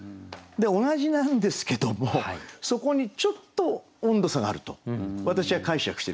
同じなんですけどもそこにちょっと温度差があると私は解釈してるんで。